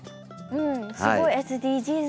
うんすごいＳＤＧｓですね。